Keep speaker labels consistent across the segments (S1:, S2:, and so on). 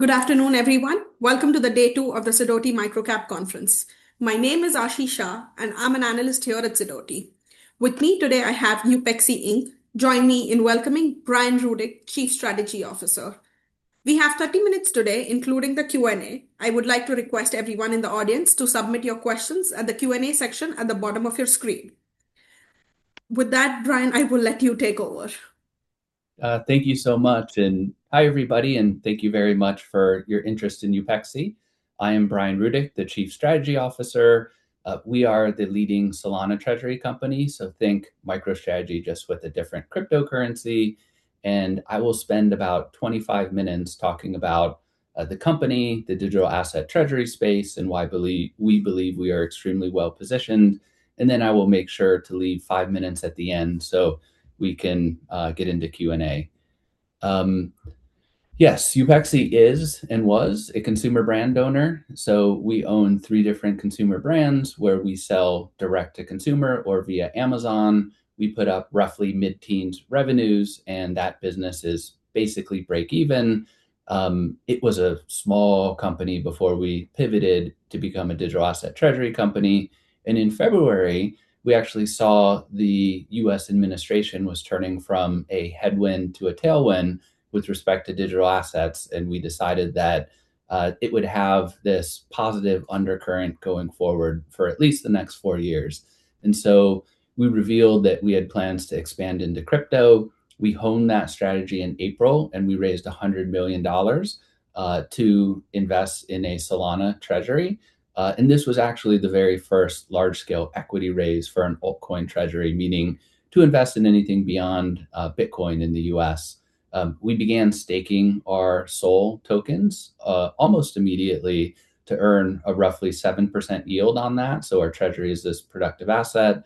S1: Good afternoon, everyone. Welcome to the day two of the Sidoti Micro-Cap Conference. My name is Aashi Shah, and I'm an Analyst here at Sidoti. With me today, I have Upexi, Inc. Joining me in welcoming Brian Rudick, Chief Strategy Officer. We have 30 minutes today, including the Q&A. I would like to request everyone in the audience to submit your questions at the Q&A section at the bottom of your screen. With that, Brian, I will let you take over.
S2: Thank you so much. Hi, everybody, and thank you very much for your interest in Upexi. I am Brian Rudick, the Chief Strategy Officer. We are the leading Solana treasury company, so think MicroStrategy just with a different cryptocurrency. I will spend about 25 minutes talking about the company, the digital asset treasury space, and why we believe we are extremely well positioned. Then I will make sure to leave five minutes at the end so we can get into Q&A. Yes, Upexi is and was a consumer brand owner. So we own three different consumer brands where we sell direct-to-consumer or via Amazon. We put up roughly mid-teens revenues, and that business is basically break-even. It was a small company before we pivoted to become a digital asset treasury company. And in February, we actually saw the U.S. administration was turning from a headwind to a tailwind with respect to digital assets, and we decided that it would have this positive undercurrent going forward for at least the next four years. And so we revealed that we had plans to expand into crypto. We honed that strategy in April, and we raised $100 million to invest in a Solana treasury. And this was actually the very first large-scale equity raise for an altcoin treasury, meaning to invest in anything beyond Bitcoin in the U.S. We began staking our SOL tokens almost immediately to earn a roughly 7% yield on that. So our treasury is this productive asset.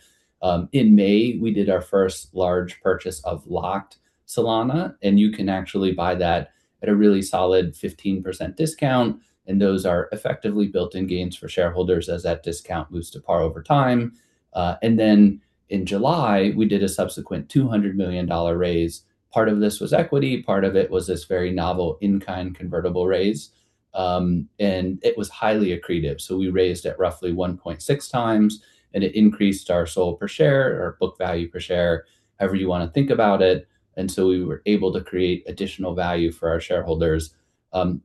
S2: In May, we did our first large purchase of locked Solana, and you can actually buy that at a really solid 15% discount. And those are effectively built-in gains for shareholders as that discount moves to par over time. And then in July, we did a subsequent $200 million raise. Part of this was equity. Part of it was this very novel in-kind convertible raise. And it was highly accretive. So we raised at roughly 1.6x, and it increased our SOL per share or book value per share, however you want to think about it. And so we were able to create additional value for our shareholders.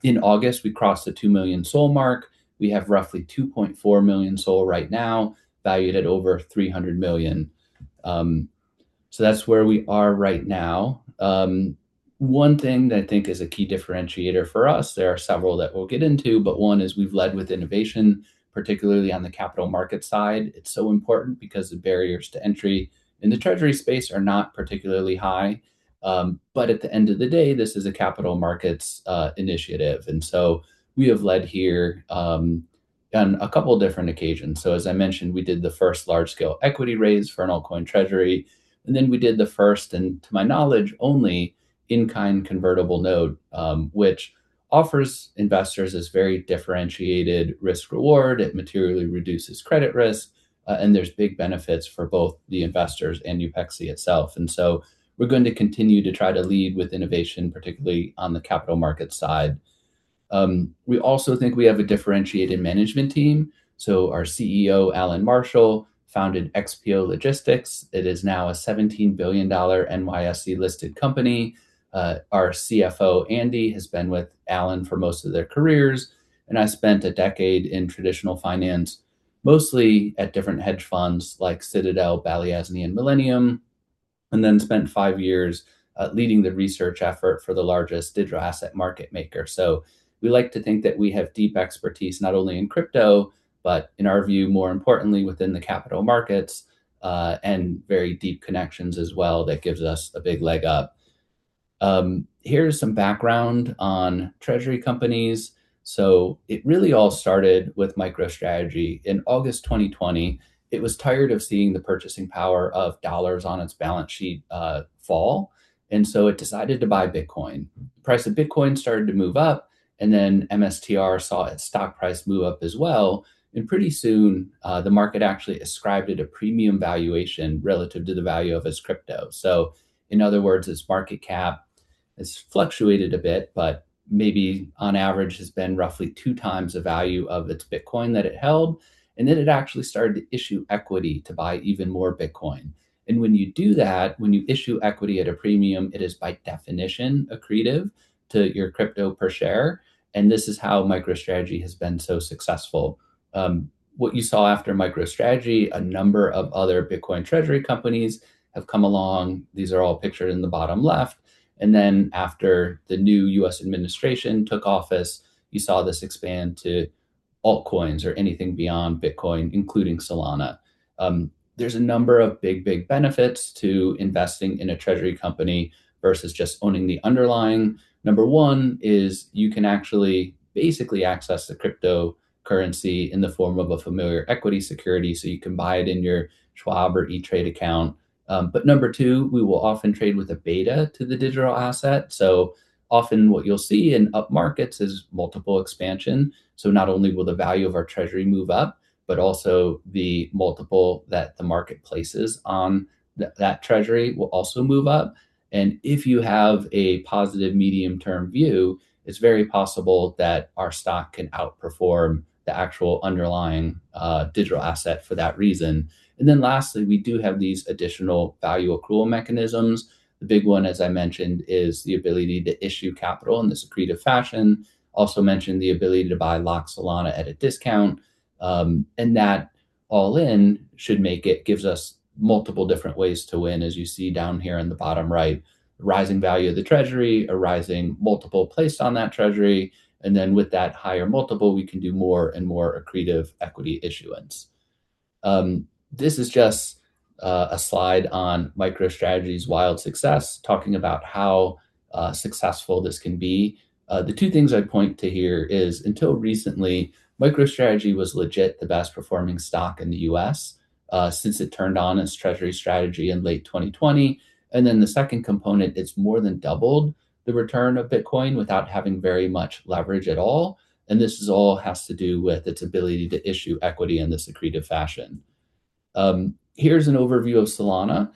S2: In August, we crossed the 2 million SOL mark. We have roughly 2.4 million SOL right now, valued at over $300 million. So that's where we are right now. One thing that I think is a key differentiator for us, there are several that we'll get into, but one is we've led with innovation, particularly on the capital market side. It's so important because the barriers to entry in the treasury space are not particularly high. But at the end of the day, this is a capital markets initiative. And so we have led here on a couple of different occasions. So as I mentioned, we did the first large-scale equity raise for an altcoin treasury. And then we did the first, and to my knowledge, only in-kind convertible note, which offers investors this very differentiated risk-reward. It materially reduces credit risk, and there's big benefits for both the investors and Upexi itself. And so we're going to continue to try to lead with innovation, particularly on the capital market side. We also think we have a differentiated management team. So our CEO, Allan Marshall, founded XPO Logistics. It is now a $17 billion NYSE-listed company. Our CFO, Andy, has been with Allan for most of their careers. I spent a decade in traditional finance, mostly at different hedge funds like Citadel, Balyasny, and Millennium, and then spent five years leading the research effort for the largest digital asset market maker. So we like to think that we have deep expertise not only in crypto, but in our view, more importantly, within the capital markets and very deep connections as well. That gives us a big leg up. Here's some background on treasury companies. So it really all started with MicroStrategy in August 2020. It was tired of seeing the purchasing power of dollars on its balance sheet fall. And so it decided to buy Bitcoin. The price of Bitcoin started to move up, and then MSTR saw its stock price move up as well. And pretty soon, the market actually ascribed it a premium valuation relative to the value of its crypto. So in other words, its market cap has fluctuated a bit, but maybe on average has been roughly two times the value of its Bitcoin that it held. And then it actually started to issue equity to buy even more Bitcoin. And when you do that, when you issue equity at a premium, it is by definition accretive to your crypto per share. And this is how MicroStrategy has been so successful. What you saw after MicroStrategy, a number of other Bitcoin treasury companies have come along. These are all pictured in the bottom left. And then after the new U.S. administration took office, you saw this expand to altcoins or anything beyond Bitcoin, including Solana. There's a number of big, big benefits to investing in a treasury company versus just owning the underlying. Number one is you can actually basically access the cryptocurrency in the form of a familiar equity security, so you can buy it in your Schwab or E*TRADE account, but number two, we will often trade with a beta to the digital asset, so often what you'll see in up markets is multiple expansion. So not only will the value of our treasury move up, but also the multiple that the market places on that treasury will also move up. And if you have a positive medium-term view, it's very possible that our stock can outperform the actual underlying digital asset for that reason. And then lastly, we do have these additional value accrual mechanisms. The big one, as I mentioned, is the ability to issue capital in this accretive fashion. Also mentioned the ability to buy locked Solana at a discount. And that all in should make it gives us multiple different ways to win, as you see down here in the bottom right, a rising value of the treasury, a rising multiple placed on that treasury. And then with that higher multiple, we can do more and more accretive equity issuance. This is just a slide on MicroStrategy's wild success, talking about how successful this can be. The two things I'd point to here is until recently, MicroStrategy was legit the best performing stock in the U.S. since it turned on its treasury strategy in late 2020. And then the second component, it's more than doubled the return of Bitcoin without having very much leverage at all. And this all has to do with its ability to issue equity in this accretive fashion. Here's an overview of Solana.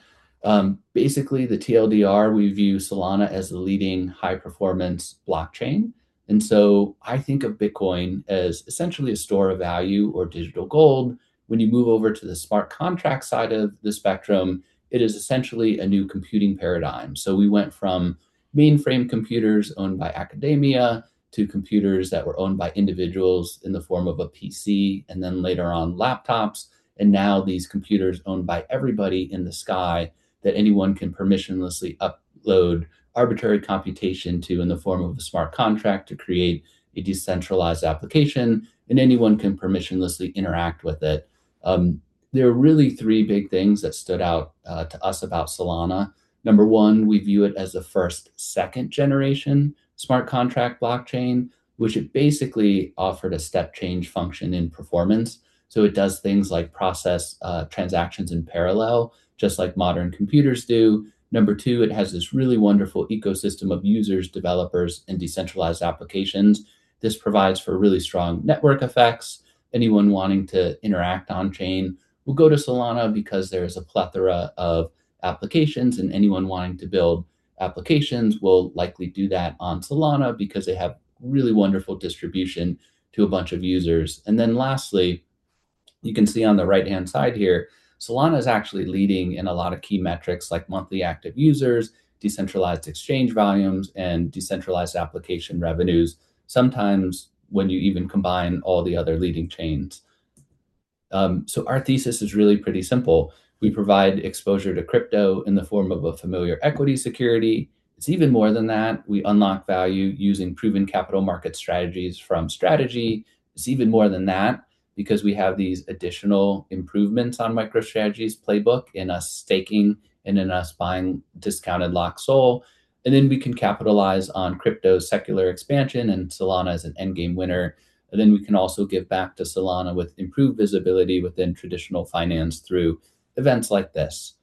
S2: Basically, the TLDR, we view Solana as the leading high-performance blockchain. And so I think of Bitcoin as essentially a store of value or digital gold. When you move over to the smart contract side of the spectrum, it is essentially a new computing paradigm. So we went from mainframe computers owned by academia to computers that were owned by individuals in the form of a PC, and then later on laptops. And now these computers owned by everybody in the sky that anyone can permissionlessly upload arbitrary computation to in the form of a smart contract to create a decentralized application. And anyone can permissionlessly interact with it. There are really three big things that stood out to us about Solana. Number one, we view it as a first, second-generation smart contract blockchain, which it basically offered a step change function in performance. So it does things like process transactions in parallel, just like modern computers do. Number two, it has this really wonderful ecosystem of users, developers, and decentralized applications. This provides for really strong network effects. Anyone wanting to interact on-chain will go to Solana because there is a plethora of applications. And anyone wanting to build applications will likely do that on Solana because they have really wonderful distribution to a bunch of users. And then lastly, you can see on the right-hand side here, Solana is actually leading in a lot of key metrics like monthly active users, decentralized exchange volumes, and decentralized application revenues, sometimes when you even combine all the other leading chains. So our thesis is really pretty simple. We provide exposure to crypto in the form of a familiar equity security. It's even more than that. We unlock value using proven capital market strategies from strategy. It's even more than that because we have these additional improvements on MicroStrategy's playbook in our staking and in our buying discounted locked SOL. And then we can capitalize on crypto's secular expansion, and Solana is an endgame winner, and then we can also give back to Solana with improved visibility within traditional finance through events like this.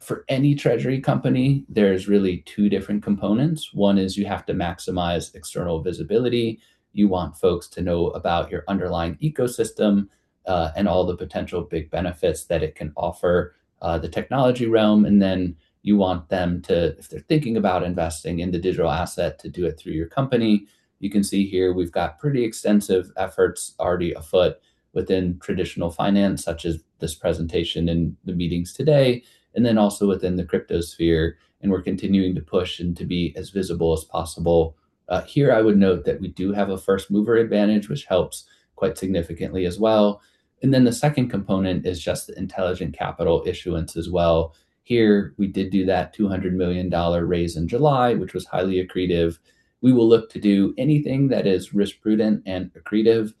S2: For any treasury company, there's really two different components. One is you have to maximize external visibility. You want folks to know about your underlying ecosystem and all the potential big benefits that it can offer the technology realm, and then you want them to, if they're thinking about investing in the digital asset, to do it through your company. You can see here we've got pretty extensive efforts already afoot within traditional finance, such as this presentation and the meetings today, and then also within the crypto sphere. We're continuing to push and to be as visible as possible. Here, I would note that we do have a first mover advantage, which helps quite significantly as well. Then the second component is just the intelligent capital issuance as well. Here, we did do that $200 million raise in July, which was highly accretive. We will look to do anything that is risk-prudent and accretive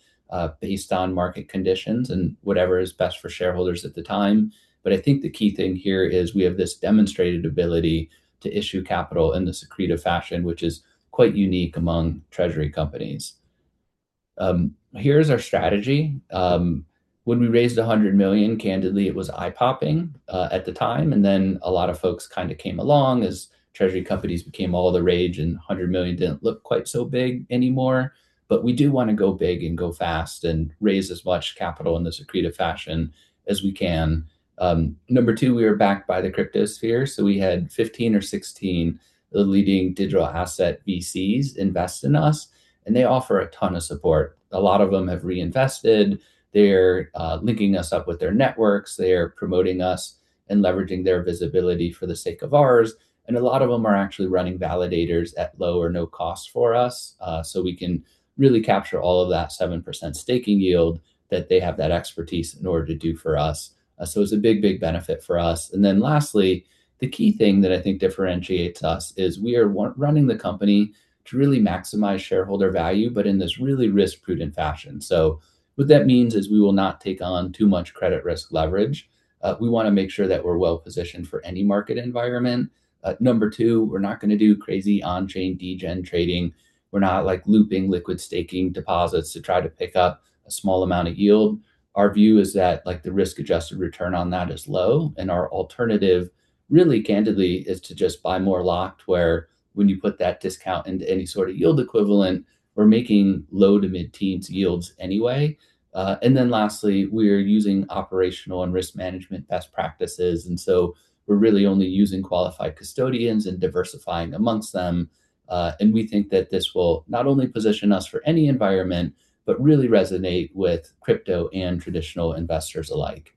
S2: based on market conditions and whatever is best for shareholders at the time. I think the key thing here is we have this demonstrated ability to issue capital in this accretive fashion, which is quite unique among treasury companies. Here is our strategy. When we raised $100 million, candidly, it was eye-popping at the time. Then a lot of folks kind of came along as treasury companies became all the rage, and $100 million didn't look quite so big anymore. We do want to go big and go fast and raise as much capital in this accretive fashion as we can. Number two, we are backed by the crypto sphere. So we had 15 or 16 of the leading digital asset VCs invest in us. And they offer a ton of support. A lot of them have reinvested. They're linking us up with their networks. They're promoting us and leveraging their visibility for the sake of ours. And a lot of them are actually running validators at low or no cost for us so we can really capture all of that 7% staking yield that they have that expertise in order to do for us. So it's a big, big benefit for us. And then lastly, the key thing that I think differentiates us is we are running the company to really maximize shareholder value, but in this really risk-prudent fashion. So what that means is we will not take on too much credit risk leverage. We want to make sure that we're well-positioned for any market environment. Number two, we're not going to do crazy on-chain degen trading. We're not like looping liquid staking deposits to try to pick up a small amount of yield. Our view is that the risk-adjusted return on that is low. And our alternative, really, candidly, is to just buy more locked, where when you put that discount into any sort of yield equivalent, we're making low- to mid-teens yields anyway. And then lastly, we are using operational and risk management best practices. And so we're really only using qualified custodians and diversifying among them. And we think that this will not only position us for any environment, but really resonate with crypto and traditional investors alike.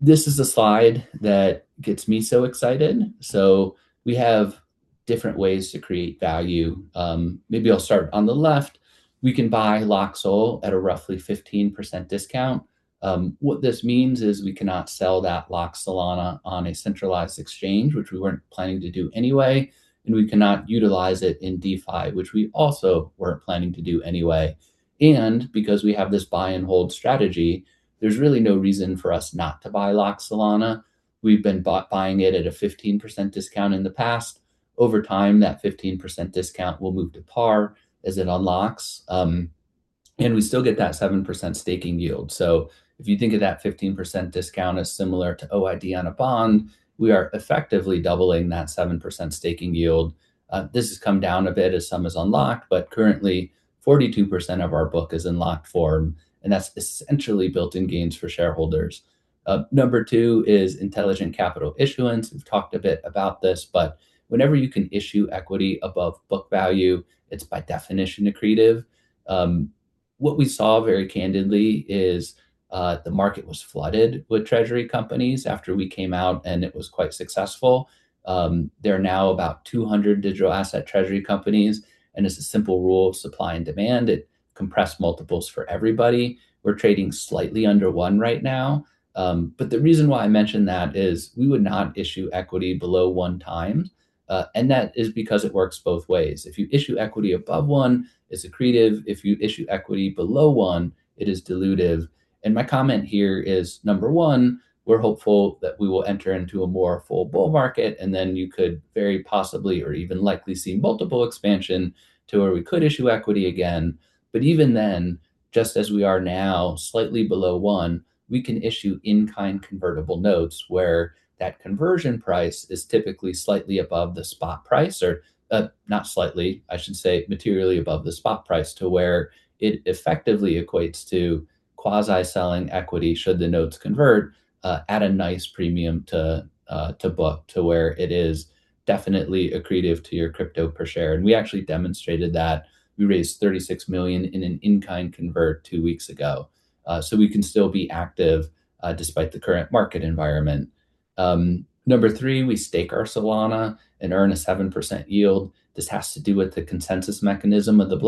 S2: This is a slide that gets me so excited. So we have different ways to create value. Maybe I'll start on the left. We can buy locked SOL at a roughly 15% discount. What this means is we cannot sell that locked Solana on a centralized exchange, which we weren't planning to do anyway. And we cannot utilize it in DeFi, which we also weren't planning to do anyway. And because we have this buy-and-hold strategy, there's really no reason for us not to buy locked Solana. We've been buying it at a 15% discount in the past. Over time, that 15% discount will move to par as it unlocks. And we still get that 7% staking yield. So if you think of that 15% discount as similar to OID on a bond, we are effectively doubling that 7% staking yield. This has come down a bit as some is unlocked, but currently, 42% of our book is in locked form. And that's essentially built-in gains for shareholders. Number two is intelligent capital issuance. We've talked a bit about this, but whenever you can issue equity above book value, it's by definition accretive. What we saw, very candidly, is the market was flooded with treasury companies after we came out, and it was quite successful. There are now about 200 digital asset treasury companies. And as a simple rule of supply and demand, it compressed multiples for everybody. We're trading slightly under one right now. But the reason why I mentioned that is we would not issue equity below one time. And that is because it works both ways. If you issue equity above one, it's accretive. If you issue equity below one, it is dilutive. And my comment here is, number one, we're hopeful that we will enter into a more full bull market. And then you could very possibly or even likely see multiple expansion to where we could issue equity again. But even then, just as we are now slightly below one, we can issue in-kind convertible notes where that conversion price is typically slightly above the spot price or not slightly, I should say, materially above the spot price to where it effectively equates to quasi-selling equity should the notes convert at a nice premium to book to where it is definitely accretive to your crypto per share. And we actually demonstrated that. We raised $36 million in an in-kind convert two weeks ago. So we can still be active despite the current market environment. Number three, we stake our Solana and earn a 7% yield. This has to do with the consensus mechanism of the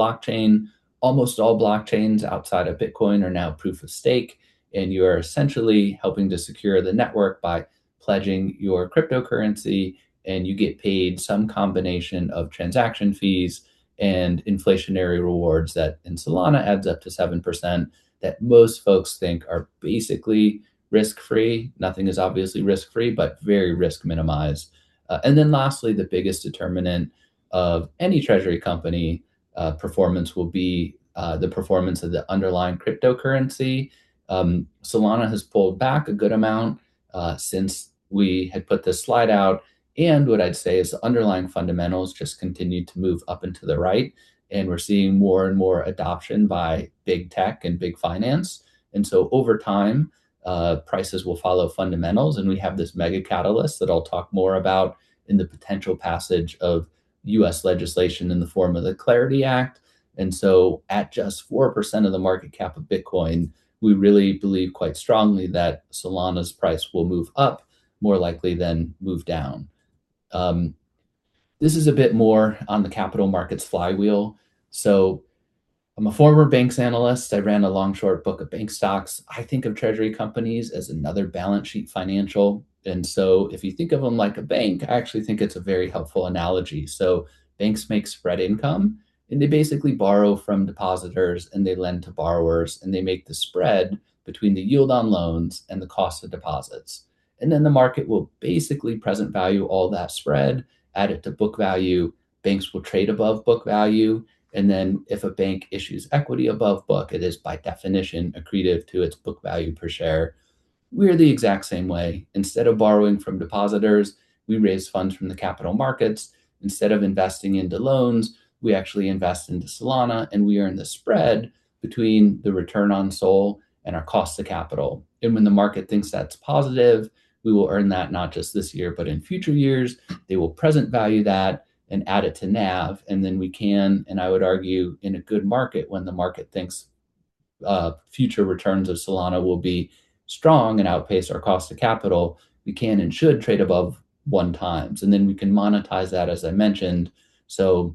S2: blockchain. Almost all blockchains outside of Bitcoin are now proof of stake. And you are essentially helping to secure the network by pledging your cryptocurrency. And you get paid some combination of transaction fees and inflationary rewards that in Solana adds up to 7% that most folks think are basically risk-free. Nothing is obviously risk-free, but very risk-minimized. And then lastly, the biggest determinant of any treasury company performance will be the performance of the underlying cryptocurrency. Solana has pulled back a good amount since we had put this slide out. And what I'd say is the underlying fundamentals just continue to move up and to the right. We're seeing more and more adoption by big tech and big finance. Over time, prices will follow fundamentals. We have this mega catalyst that I'll talk more about in the potential passage of U.S. legislation in the form of the Clarity Act. At just 4% of the market cap of Bitcoin, we really believe quite strongly that Solana's price will move up more likely than move down. This is a bit more on the capital markets flywheel. I'm a former banks analyst. I ran a long short book of bank stocks. I think of treasury companies as another balance sheet financial. If you think of them like a bank, I actually think it's a very helpful analogy. Banks make spread income. And they basically borrow from depositors, and they lend to borrowers, and they make the spread between the yield on loans and the cost of deposits. And then the market will basically present value all that spread, add it to book value. Banks will trade above book value. And then if a bank issues equity above book, it is by definition accretive to its book value per share. We're the exact same way. Instead of borrowing from depositors, we raise funds from the capital markets. Instead of investing into loans, we actually invest into Solana. And we earn the spread between the return on SOL and our cost of capital. And when the market thinks that's positive, we will earn that not just this year, but in future years. They will present value that and add it to NAV. And then we can, and I would argue, in a good market, when the market thinks future returns of Solana will be strong and outpace our cost of capital, we can and should trade above one times. And then we can monetize that, as I mentioned. So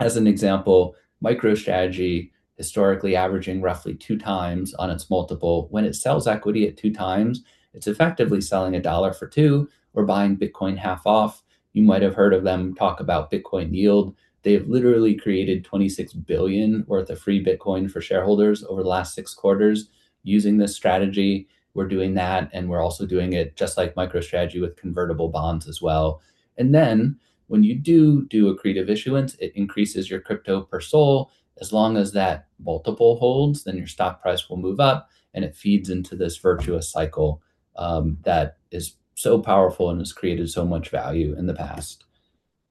S2: as an example, MicroStrategy historically averaging roughly two times on its multiple. When it sells equity at two times, it's effectively selling a dollar for two. We're buying Bitcoin half off. You might have heard of them talk about Bitcoin yield. They have literally created $26 billion worth of free Bitcoin for shareholders over the last six quarters using this strategy. We're doing that. And we're also doing it just like MicroStrategy with convertible bonds as well. And then when you do accretive issuance, it increases your crypto per SOL. As long as that multiple holds, then your stock price will move up, and it feeds into this virtuous cycle that is so powerful and has created so much value in the past.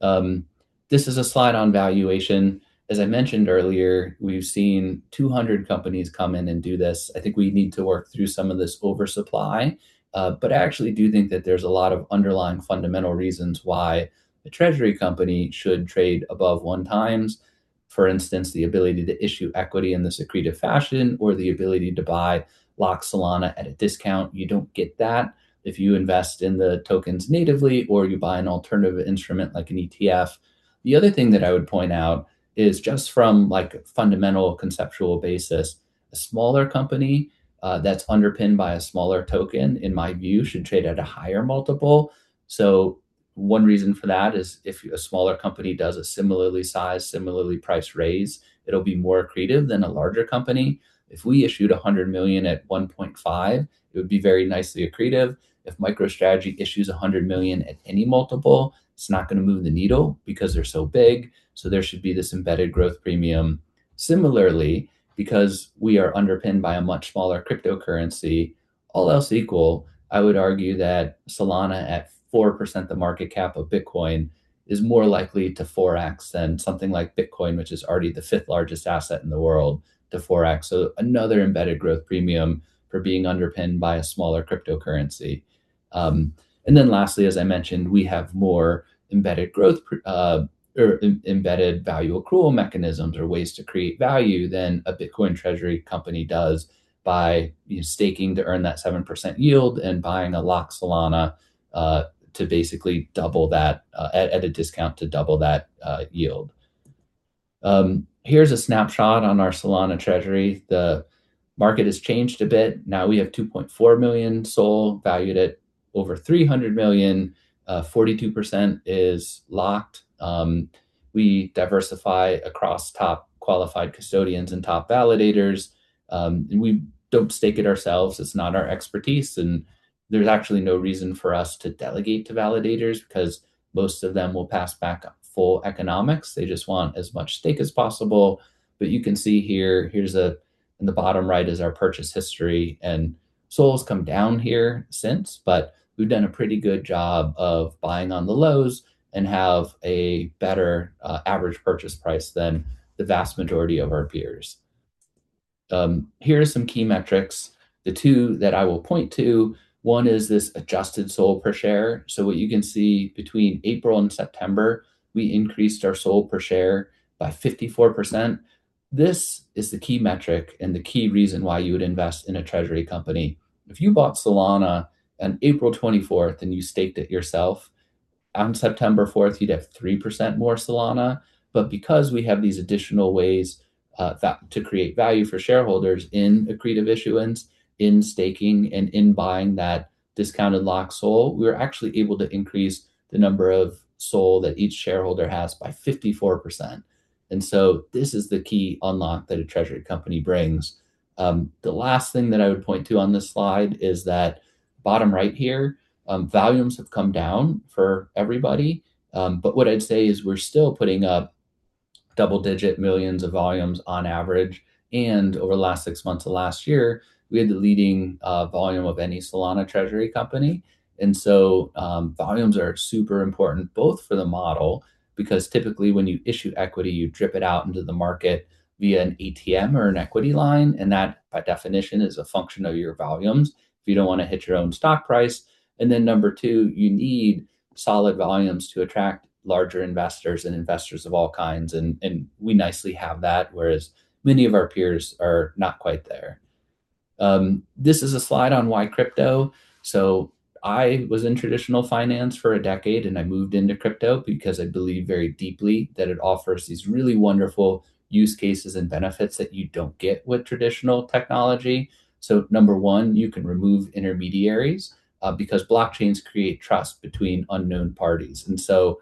S2: This is a slide on valuation. As I mentioned earlier, we've seen 200 companies come in and do this. I think we need to work through some of this oversupply, but I actually do think that there's a lot of underlying fundamental reasons why a treasury company should trade above one times. For instance, the ability to issue equity in this accretive fashion or the ability to buy locked Solana at a discount. You don't get that if you invest in the tokens natively or you buy an alternative instrument like an ETF. The other thing that I would point out is just from a fundamental conceptual basis, a smaller company that's underpinned by a smaller token, in my view, should trade at a higher multiple. So one reason for that is if a smaller company does a similarly sized, similarly priced raise, it'll be more accretive than a larger company. If we issued $100 million at 1.5x, it would be very nicely accretive. If MicroStrategy issues $100 million at any multiple, it's not going to move the needle because they're so big. So there should be this embedded growth premium. Similarly, because we are underpinned by a much smaller cryptocurrency, all else equal, I would argue that Solana at 4% the market cap of Bitcoin is more likely to 4x than something like Bitcoin, which is already the fifth largest asset in the world, to 4x. So another embedded growth premium for being underpinned by a smaller cryptocurrency. And then lastly, as I mentioned, we have more embedded growth or embedded value accrual mechanisms or ways to create value than a Bitcoin treasury company does by staking to earn that 7% yield and buying a locked Solana to basically double that at a discount to double that yield. Here's a snapshot on our Solana treasury. The market has changed a bit. Now we have 2.4 million SOL valued at over $300 million. 42% is locked. We diversify across top qualified custodians and top validators. And we don't stake it ourselves. It's not our expertise. And there's actually no reason for us to delegate to validators because most of them will pass back full economics. They just want as much stake as possible. But you can see here, here's a, in the bottom right is our purchase history. And SOL has come down here since. But we've done a pretty good job of buying on the lows and have a better average purchase price than the vast majority of our peers. Here are some key metrics. The two that I will point to, one is this adjusted SOL per share. So what you can see between April and September, we increased our SOL per share by 54%. This is the key metric and the key reason why you would invest in a treasury company. If you bought Solana on April 24th and you staked it yourself, on September 4th, you'd have 3% more Solana. But because we have these additional ways to create value for shareholders in accretive issuance, in staking, and in buying that discounted locked SOL, we were actually able to increase the number of SOL that each shareholder has by 54%. And so this is the key unlock that a treasury company brings. The last thing that I would point to on this slide is that bottom right here, volumes have come down for everybody. But what I'd say is we're still putting up double-digit millions of volumes on average. And over the last six months of last year, we had the leading volume of any Solana treasury company. And so volumes are super important both for the model because typically when you issue equity, you drip it out into the market via an ATM or an equity line. And that, by definition, is a function of your volumes if you don't want to hit your own stock price. And then number two, you need solid volumes to attract larger investors and investors of all kinds. And we nicely have that, whereas many of our peers are not quite there. This is a slide on why crypto. So I was in traditional finance for a decade, and I moved into crypto because I believe very deeply that it offers these really wonderful use cases and benefits that you don't get with traditional technology. So number one, you can remove intermediaries because blockchains create trust between unknown parties. And so,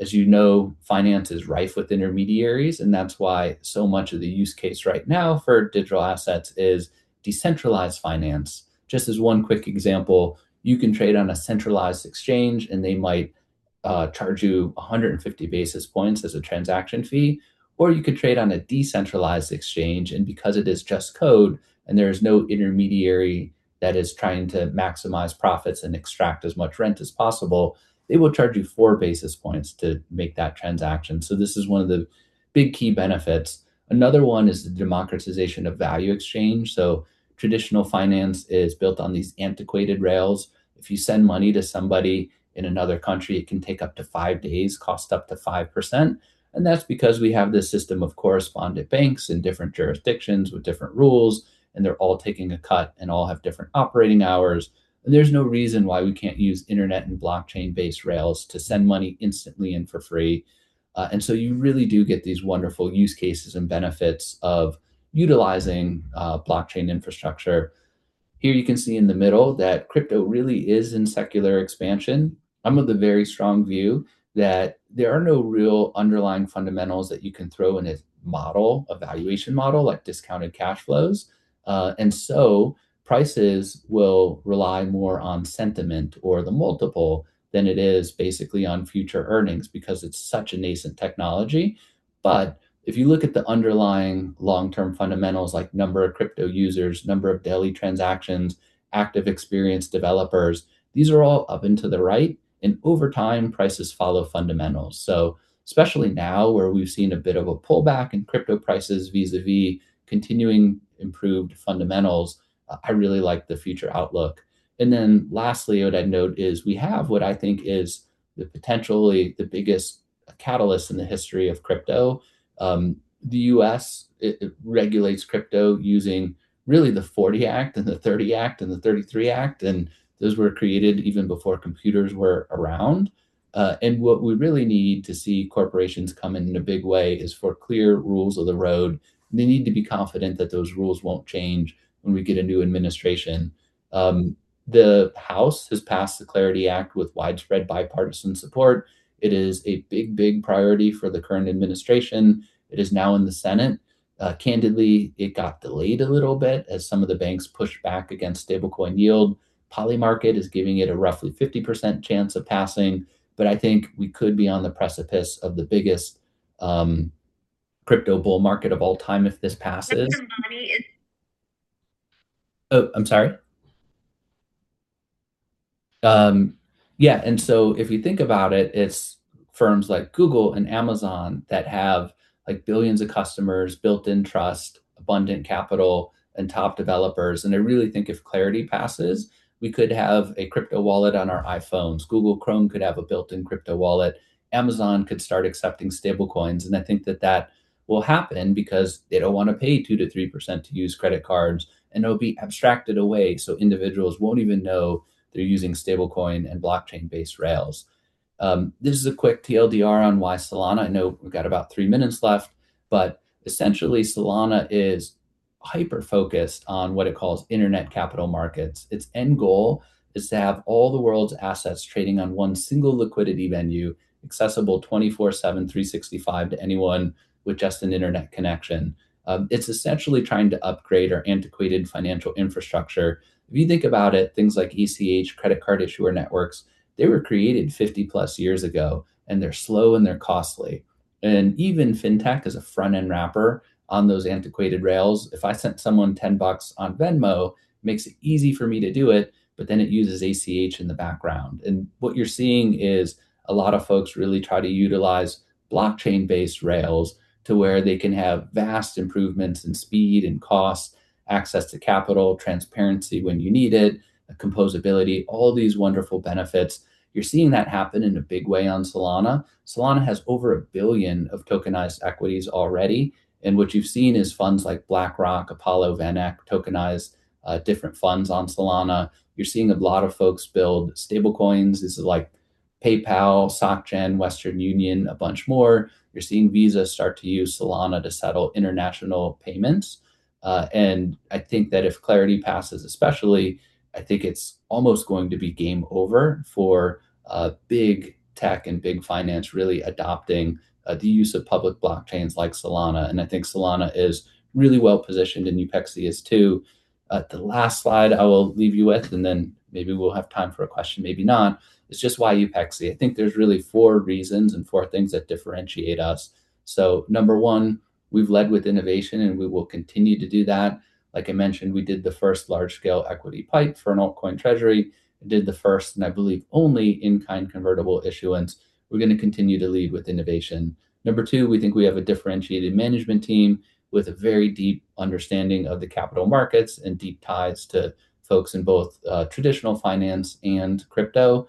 S2: as you know, finance is rife with intermediaries. And that's why so much of the use case right now for digital assets is decentralized finance. Just as one quick example, you can trade on a centralized exchange, and they might charge you 150 basis points as a transaction fee, or you could trade on a decentralized exchange, and because it is just code and there is no intermediary that is trying to maximize profits and extract as much rent as possible, they will charge you four basis points to make that transaction, so this is one of the big key benefits. Another one is the democratization of value exchange, so traditional finance is built on these antiquated rails. If you send money to somebody in another country, it can take up to five days, cost up to 5%. And that's because we have this system of correspondent banks in different jurisdictions with different rules. And they're all taking a cut and all have different operating hours. There's no reason why we can't use internet and blockchain-based rails to send money instantly and for free. You really do get these wonderful use cases and benefits of utilizing blockchain infrastructure. Here you can see in the middle that crypto really is in secular expansion. I'm of the very strong view that there are no real underlying fundamentals that you can throw in a model, a valuation model like discounted cash flows. Prices will rely more on sentiment or the multiple than it is basically on future earnings because it's such a nascent technology. If you look at the underlying long-term fundamentals like number of crypto users, number of daily transactions, active experience developers, these are all up and to the right. Over time, prices follow fundamentals. So especially now where we've seen a bit of a pullback in crypto prices vis-à-vis continuing improved fundamentals, I really like the future outlook. And then lastly, what I'd note is we have what I think is potentially the biggest catalyst in the history of crypto. The U.S. regulates crypto using really the 1940 Act and the 1930 Act and the 1933 Act. And those were created even before computers were around. And what we really need to see corporations come in in a big way is for clear rules of the road. They need to be confident that those rules won't change when we get a new administration. The House has passed the Clarity Act with widespread bipartisan support. It is a big, big priority for the current administration. It is now in the Senate. Candidly, it got delayed a little bit as some of the banks pushed back against stablecoin yield. Polymarket is giving it a roughly 50% chance of passing. But I think we could be on the precipice of the biggest crypto bull market of all time if this passes. Oh, I'm sorry. Yeah. And so if you think about it, it's firms like Google and Amazon that have billions of customers, built-in trust, abundant capital, and top developers. And I really think if Clarity passes, we could have a crypto wallet on our iPhones. Google Chrome could have a built-in crypto wallet. Amazon could start accepting stablecoins. And I think that that will happen because they don't want to pay 2%-3% to use credit cards. And it'll be abstracted away so individuals won't even know they're using stablecoin and blockchain-based rails. This is a quick TLDR on why Solana. I know we've got about three minutes left, but essentially, Solana is hyper-focused on what it calls internet capital markets. Its end goal is to have all the world's assets trading on one single liquidity venue accessible 24/7, 365 to anyone with just an internet connection. It's essentially trying to upgrade our antiquated financial infrastructure. If you think about it, things like ACH, credit card issuer networks, they were created 50+ years ago, and they're slow and they're costly. And even FinTech is a front-end wrapper on those antiquated rails. If I sent someone $10 on Venmo, it makes it easy for me to do it, but then it uses ACH in the background. What you're seeing is a lot of folks really try to utilize blockchain-based rails to where they can have vast improvements in speed and cost, access to capital, transparency when you need it, composability, all these wonderful benefits. You're seeing that happen in a big way on Solana. Solana has over a billion of tokenized equities already. And what you've seen is funds like BlackRock, Apollo, VanEck tokenize different funds on Solana. You're seeing a lot of folks build stablecoins. This is like PayPal, SocGen, Western Union, a bunch more. You're seeing Visa start to use Solana to settle international payments. And I think that if Clarity passes, especially, I think it's almost going to be game over for big tech and big finance really adopting the use of public blockchains like Solana. And I think Solana is really well positioned and Upexi is too. The last slide I will leave you with, and then maybe we'll have time for a question, maybe not, is just why Upexi. I think there's really four reasons and four things that differentiate us. So number one, we've led with innovation, and we will continue to do that. Like I mentioned, we did the first large-scale equity PIPE for an altcoin treasury. We did the first, and I believe only, in-kind convertible issuance. We're going to continue to lead with innovation. Number two, we think we have a differentiated management team with a very deep understanding of the capital markets and deep ties to folks in both traditional finance and crypto.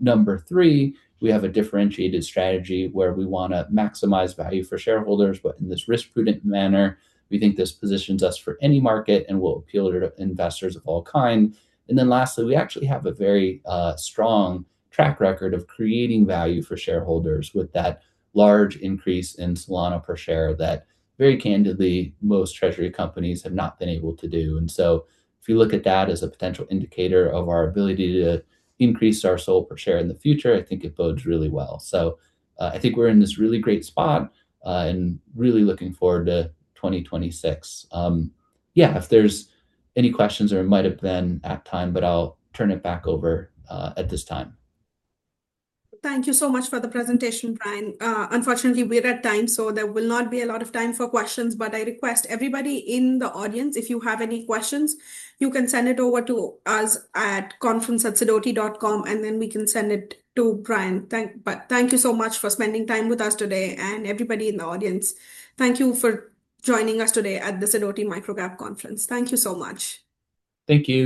S2: Number three, we have a differentiated strategy where we want to maximize value for shareholders, but in this risk-prudent manner. We think this positions us for any market and will appeal to investors of all kinds. And then lastly, we actually have a very strong track record of creating value for shareholders with that large increase in Solana per share that very candidly, most treasury companies have not been able to do. And so if you look at that as a potential indicator of our ability to increase our SOL per share in the future, I think it bodes really well. So I think we're in this really great spot and really looking forward to 2026. Yeah, if there's any questions or it might have been at time, but I'll turn it back over at this time.
S1: Thank you so much for the presentation, Brian. Unfortunately, we're at time, so there will not be a lot of time for questions. I request everybody in the audience, if you have any questions, you can send it over to us at conference@sidoti.com, and then we can send it to Brian. But thank you so much for spending time with us today. Everybody in the audience, thank you for joining us today at the Sidoti Micro-Cap Conference. Thank you so much.
S2: Thank you.